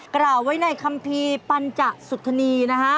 กล่าวไว้ในคัมภีร์ปัญจสุธนีนะฮะ